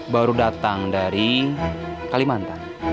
baru datang dari kalimantan